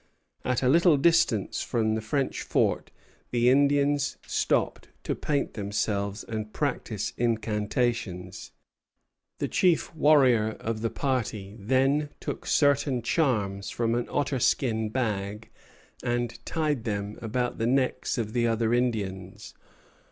At a little distance from the French fort, the Indians stopped to paint themselves and practise incantations. The chief warrior of the party then took certain charms from an otter skin bag and tied them about the necks of the other Indians.